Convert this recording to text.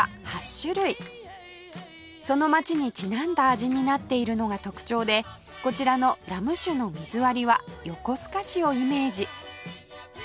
その街にちなんだ味になっているのが特徴でこちらのラム酒の水割りは横須賀市をイメージ